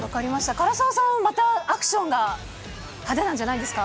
唐沢さんはまたアクションが派手なんじゃないですか。